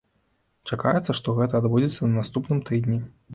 Чакаецца, што гэта адбудзецца на наступным тыдні.